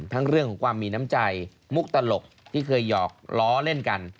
เรื่องของความมีน้ำใจมุกตลกที่เคยหยอกล้อเล่นกัน